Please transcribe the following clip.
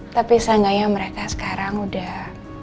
tapi sayangnya mereka sekarang udah